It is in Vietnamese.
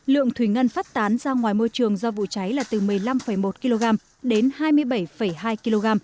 lượng thủy ngân phát tán ra ngoài môi trường do vụ cháy là từ một mươi năm một kg đến hai mươi bảy hai kg